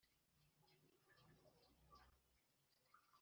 gukubita pedlar umwiherero -